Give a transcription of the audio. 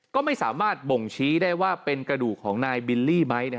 ก็ไม่สามารถบ่งชี้ได้ว่าเป็นกระดูกของนายบิลลี่ไหม